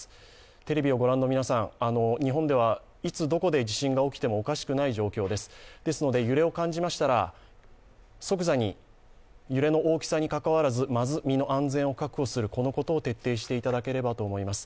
テレビをご覧の皆さん、日本ではいつどこで地震が起きてもおかしくない状況ですので、揺れを感じましたら即座に揺れの大きさにかかわらずまず身の安全を確保することを徹底していただければと思います。